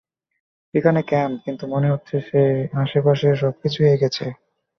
এখানে ক্যাম্প, কিন্তু মনে হচ্ছে সে আশেপাশের সব কিছুই এঁকেছে।